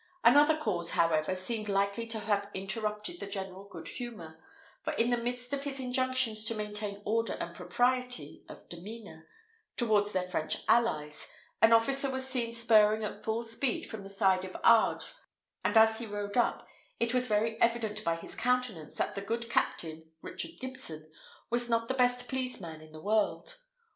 Another cause, however, seemed likely to have interrupted the general good humour; for, in the midst of his injunctions to maintain order and propriety of demeanour towards their French allies, an officer was seen spurring at full speed from the side of Ardres, and as he rode up, it was very evident by his countenance that the good captain, Richard Gibson, was not the best pleased man in the world.